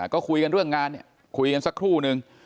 ก็คุยกันเรื่องงานเนี่ยคุยกันสักครู่นึง